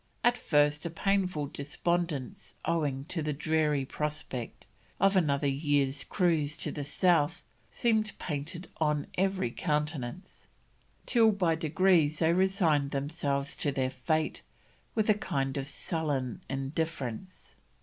At first a painful despondence owing to the dreary prospect of another year's cruise to the south seemed painted in every countenance; till by degrees they resigned themselves to their fate with a kind of sullen indifference.